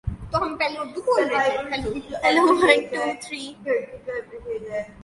The painting is in the collection of the Pinakothek der Moderne in Munich.